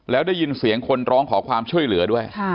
แล้วได้ยินเสียงคนร้องขอความช่วยเหลือด้วย